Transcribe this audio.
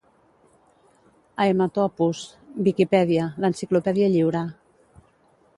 Haematopus - Viquipèdia, l'enciclopèdia lliure